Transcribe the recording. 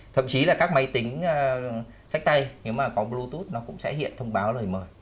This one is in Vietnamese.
thậm chí là các máy tính sách tay nếu mà có bluetooth nó cũng sẽ hiện thông báo lời mời